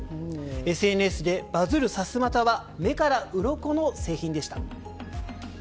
ＳＮＳでバズるさすまたは目からうろこの製品でした。